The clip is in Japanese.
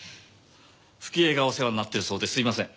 冨貴江がお世話になってるそうですいません。